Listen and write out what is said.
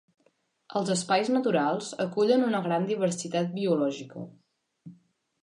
Els espais naturals acullen una gran diversitat biològica.